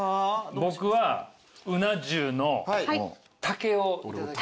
僕はうな重の竹を。